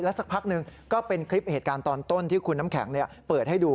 สักพักหนึ่งก็เป็นคลิปเหตุการณ์ตอนต้นที่คุณน้ำแข็งเปิดให้ดู